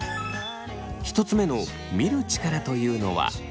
１つ目の見る力というのは。